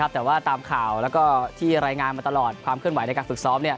แต่ว่าตามข่าวแล้วก็ที่รายงานมาตลอดความเคลื่อนไหวในการฝึกซ้อม